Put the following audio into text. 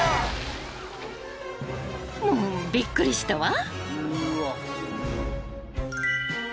［もうびっくりしたわ］